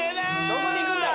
どこに行くんだ？